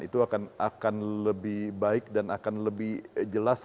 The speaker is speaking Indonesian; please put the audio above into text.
itu akan lebih baik dan akan lebih jelas